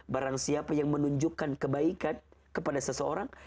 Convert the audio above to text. barang siapa yang menunjukkan kebaikan kepada seseorang